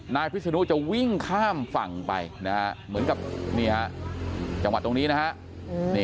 นายพิศนุจะวิ่งข้ามฝั่งไปนะฮะเหมือนกับนี่ฮะจังหวัดตรงนี้นะฮะ